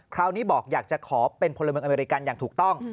คราวนี้บอกอยากจะขอเป็นพลเมืองอเมริกันอย่างถูกต้อง